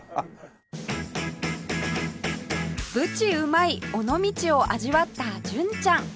ぶちうまい尾道を味わった純ちゃん